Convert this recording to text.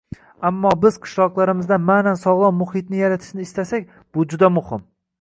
ammo biz qishloqlarimizda ma’nan sog‘lom muhitni yaratishni istasak, bu juda muhim.